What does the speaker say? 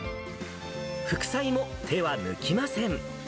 副菜も手は抜きません。